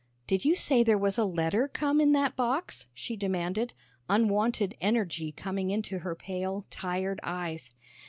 "Did you say there was a letter come in that box?" she demanded, unwonted energy coming into her pale, tired eyes.